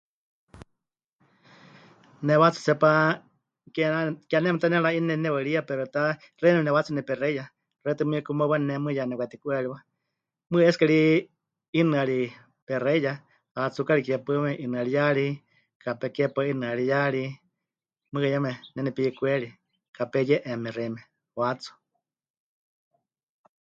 Ne waatsu tseepá ke 'a... ke 'aneme ta nemɨranu'i nepɨnewaɨriya pero ta, xeíme newaatsu nepexeiya, xewítɨ mɨkumaɨwani ne mɨɨkɨ ya nepɨkwatiku'eriwa, mɨɨkɨ es que ri 'inɨari pexeiya, hatsukari ke paɨmeme 'inɨariyari, kapé ke paɨ 'inɨariyari, mɨɨkɨ yeme ne nepikwerie, kapé ye'eéme xeíme waatsu.